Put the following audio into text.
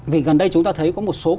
vì gần đây chúng ta thấy có một số